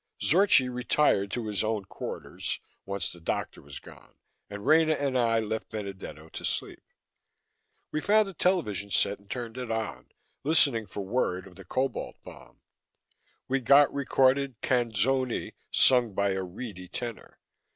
Zorchi retired to his own quarters, once the doctor was gone, and Rena and I left Benedetto to sleep. We found a television set and turned it on, listening for word of the cobalt bomb. We got recorded canzoni sung by a reedy tenor.